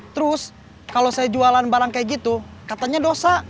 terus kalau saya jualan barang kayak gitu katanya dosa